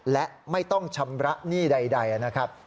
และไม่ต้องชำระหนี้ใดนะครับ